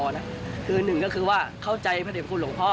มาเย็นคำวิทยี่เข้าใจพระเจมค์คุณหลวงพ่อเลย